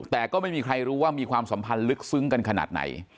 แต่ก็ไม่มีใครรู้ว่ามีความสัมพันธ์ลึกซึ้งกันขนาดไหน